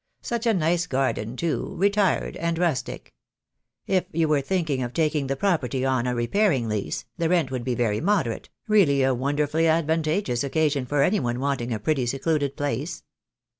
Such a nice garden, too, retired and rustic. If you were thinking of taking the property on a repairing lease, the rent would be very THE DAY WILL COME. 8 moderate, really a wonderfully advantageous occasion for any one wanting a pretty secluded place."